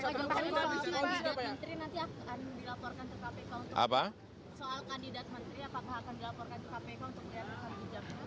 soal kandidat menteri apakah akan dilaporkan kpm